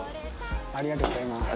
ありがとうございます。